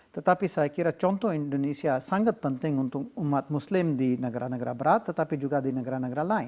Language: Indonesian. tetapi saya kira contoh indonesia sangat penting untuk umat muslim di negara negara berat tetapi juga di negara negara lain